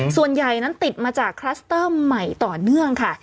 ส่วนใหญ่นั้นติดมาจากคลัสเตอร์ใหม่ต่อเนื่องค่ะ